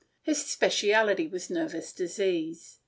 His specialty was nervous disease.